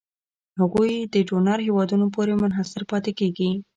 هغوی د ډونر هېوادونو پورې منحصر پاتې کیږي.